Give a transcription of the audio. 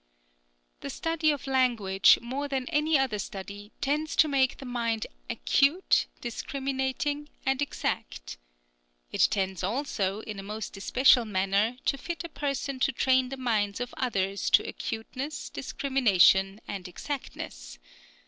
The study of language, more than any other study, tends to make the mind acute, discriminating, and exact. It tends also, in a most especial manner, to fit a person to train the minds of others to acuteness, discrimination, and exactness.